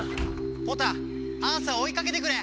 ポタアーサーをおいかけてくれ！